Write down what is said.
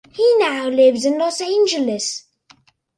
He now lives in Los Angeles.